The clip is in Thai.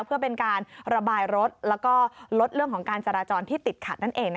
เพื่อเป็นการระบายรถแล้วก็ลดเรื่องของการจราจรที่ติดขัดนั่นเอง